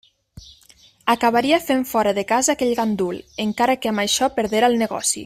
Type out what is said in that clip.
Acabaria fent fora de casa aquell gandul, encara que amb això perdera el negoci.